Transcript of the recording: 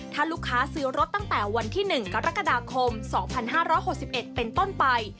ถ้าลูกค้าซื้อรถตั้งแต่วันที่๑กรกฎาคม๒๕๖๑เป็นต้นไป